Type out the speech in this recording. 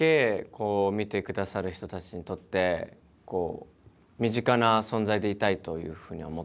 こう見てくださる人たちにとって身近な存在でいたいというふうには思っていて。